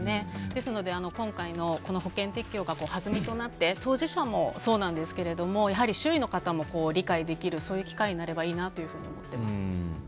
ですので、今回の保険適用が弾みとなって当事者もそうですが周囲の方も理解できる機会になればいいなと思っています。